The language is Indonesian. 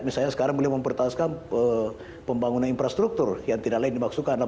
misalnya sekarang beliau mempertahankan pembangunan infrastruktur yang tidak lain dimaksudkan